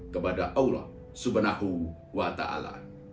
kepada allah subhanahu wa ta ala